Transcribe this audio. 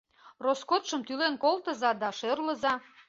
Роскотшым тӱлен колтыза да шӧрлыза.